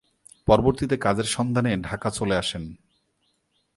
পরবর্তীতে কাজের সন্ধানে ঢাকা চলে আসেন।